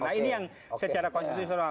nah ini yang secara konstitusional